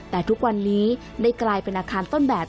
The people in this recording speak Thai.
แต่ทุกวันนี้ได้กลายเป็นอาคารต้นแบบ